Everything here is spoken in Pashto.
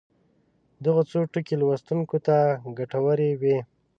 دغه څو ټکي لوستونکو ته ګټورې وي.